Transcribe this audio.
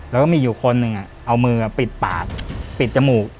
แล้วก็มีอยู่คนหนึ่งเอามือปิดปากปิดจมูก